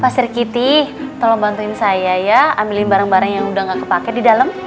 pasir kiti tolong bantuin saya ya ambilin barang barang yang udah gak kepake di dalam